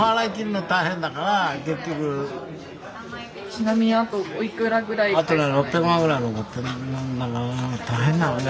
ちなみにあとおいくらぐらいなんですかね？